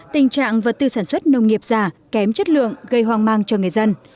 tình trạng vật tư sản xuất nông nghiệp già kém chất lượng gây hoang mang cho người dân